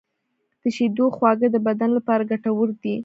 د شیدو خواږه د بدن لپاره ګټور دي.